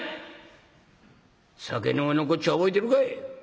酒の上のこっちゃ覚えてるかい！